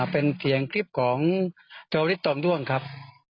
เป็นเสียงคลิปของจอริสตอมด้วงครับ